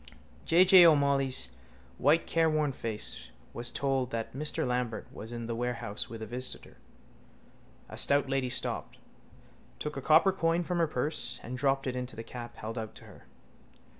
_ J. J. O'Molloy's white careworn face was told that Mr Lambert was in the warehouse with a visitor. A stout lady stopped, took a copper coin from her purse and dropped it into the cap held out to her.